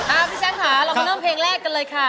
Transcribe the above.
เอางพี่ฉันคะเราไปนั่งเกแหลกกันเลยค่ะ